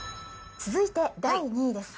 続いて、第２位です。